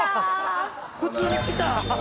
「普通に来た！」